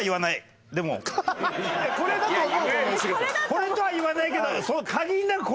これとは言わないけど限りなく